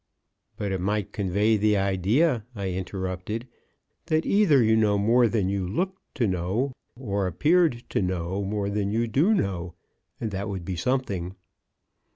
"But it might convey the idea," I interrupted, "that either you know more than you looked to know, or appeared to know more than you do know; and that would be something."